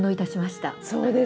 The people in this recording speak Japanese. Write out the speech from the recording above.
そうですね。